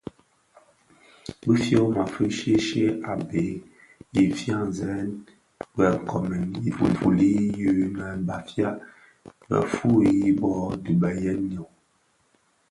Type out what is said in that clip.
Bi fyoma fi shye shye a bhee i dhifyanzèn a be nkoomèn i ti fuli yi nnë Bafia bō fuyi, bo dhi beyen ooo?